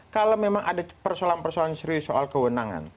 kalau memang ada persoalan persoalan serius soal kewenangan